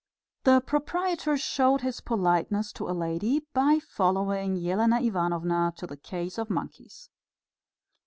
The proprietor showed his politeness to a lady by following Elena Ivanovna to the case of monkeys.